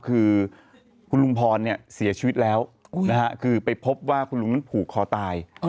คือคุณลุงพรเสียชีวิตแล้วคือไปพบว่าคุณลุงนั้นผูกคอตาย